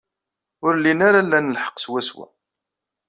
Ur llin ara lan lḥeqq swaswa.